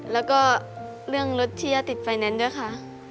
แล้วก็เรื่องรถที่จะติดไฟแนนซ์ด้วยค่ะ